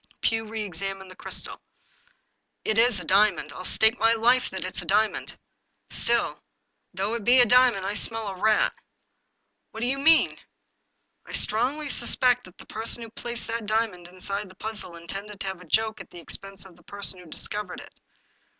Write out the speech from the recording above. Pugh reexamined the crystal. " It is a diamond ! I'll stake my Ufe that it's a dia mond!" " Still, though it be a diamond, I smell a rat !"" What do you mean ?" 259 English Mystery Stories " I strongly suspect that the person who placed that diamond inside that puzzle intended to have a joke at the •expense of the person who discovered it.